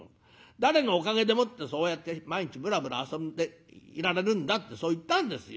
『誰のおかげでもってそうやって毎日ぶらぶら遊んでいられるんだ』ってそう言ったんですよ。